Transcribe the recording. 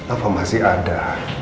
apa masih ada